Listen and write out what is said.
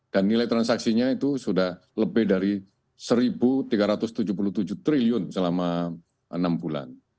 dan nilai transaksinya itu sudah lebih dari satu tiga ratus tujuh puluh tujuh triliun selama enam bulan